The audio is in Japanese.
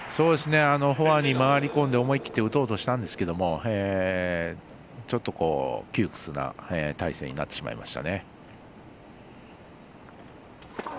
フォアに回り込んで思い切って打とうとしたんですけどちょっと窮屈な体勢になってしまいました。